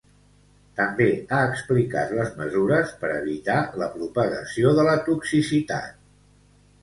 També, ha explicat les mesures per evitar la propagació de la toxicitat.